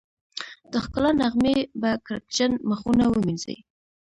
د ښکلا نغمې به کرکجن مخونه ومينځي